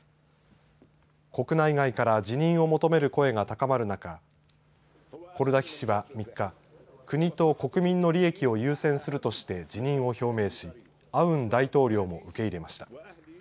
国内外から辞任を求める声が高まる中コルダヒ氏は３日国と国民の利益を優先するとして辞任を表明しアウン大統領も受け入れました。